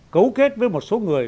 cấu kết với một số người